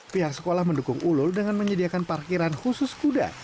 pihak sekolah mendukung ulul dengan menyediakan parkiran khusus kuda